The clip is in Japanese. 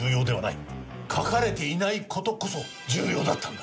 書かれていない事こそ重要だったんだ。